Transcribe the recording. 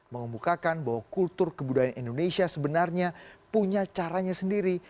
mengemukakan bahwa kultur kebudayaan indonesia sebenarnya punya caranya sendiri